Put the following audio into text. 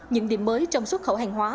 những điểm mới trong xuất khẩu hàng hóa